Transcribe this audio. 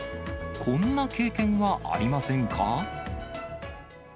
こんな経験はありませんか？